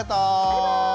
バイバーイ！